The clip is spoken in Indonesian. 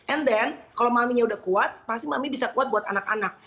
and then kalau maminya udah kuat pasti mami bisa kuat buat anak anak